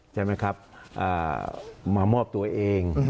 ใช่ไหมครับมามอบตัวเอง